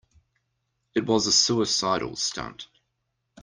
It was a suicidal stunt.